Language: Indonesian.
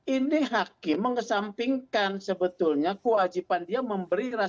ini hakim mengesampingkan sebetulnya kewajiban dia memberi rasa